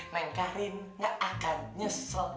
neng karin gak akan nyesel